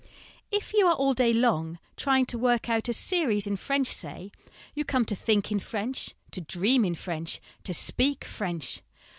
If you are all day long trying to work out a ' series ' in French, say, you come to think in French, to * dream in French,' to speak French.